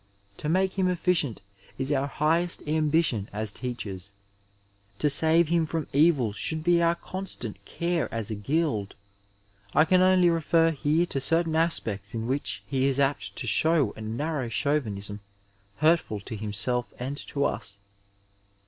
To make him efficient is our highest ambition as teachers, to save him from evil should be our constant care as a guild. I can only refer here to certain aspects in which he is apt to show a narrow C!hauvinism hurtful to himself and to us.